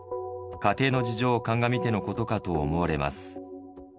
家庭の事情を鑑みてのことかと思われます。